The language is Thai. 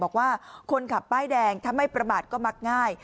บอกว่าคนขับป้ายแดงถ้าไม่ประมาทก็มักง่าย